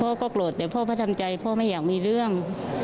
พ่อก็โกรธแต่พ่อก็ทำใจพ่อไม่อยากมีเรื่อง